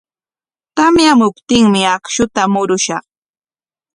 Tamyamuptinmi akshuta murushaq.